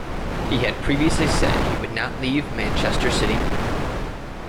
He had previously said he would not leave Manchester City.